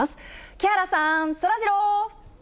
木原さん、そらジロー。